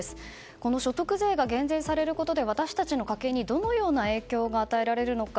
この所得税が減税されることで私たちの家計にどのような影響が与えられるのか。